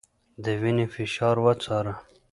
د وينې فشار وڅاره